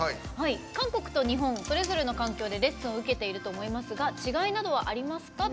韓国と日本、それぞれの環境でレッスンを受けていると思いますが違いなどはありますか？